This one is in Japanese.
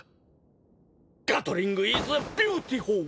ガトリングイズビューティホー。